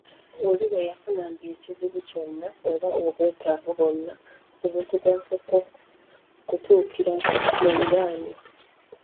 Oli bwe yafunanga ekizibu kyonna oba obwetaavu bwonna omuntu gw'asooka okutuukirako, muliraanwa.